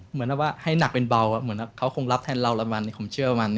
เหมือนแบบให้หนักเป็นเบาเขาคงรับแทนเราผมเชื่อว่ามัน